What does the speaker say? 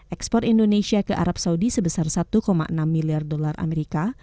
ekspor indonesia ke arab saudi sebesar satu enam miliar dolar amerika